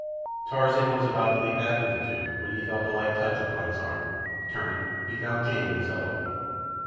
Tarzan was about to leap after the two when he felt a light touch upon his arm. Turning, he found Jane at his elbow.